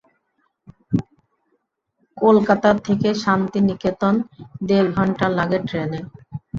কলকাতা থেকে শান্তিনিকেতন দেড় ঘণ্টা লাগে ট্রেনে।